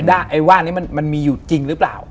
ว่าไอ้ว่านนี้มันมีอยู่จริงหรือเปล่า